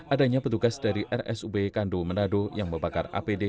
adanya petugas dari rsub kandow menado yang membakar apd